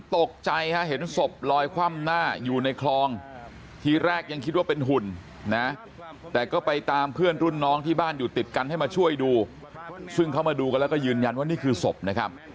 ตกใจฮะเห็นศพลอยคว่ำหน้าอยู่ในคลองทีแรกยังคิดว่าเป็นหุ่นนะ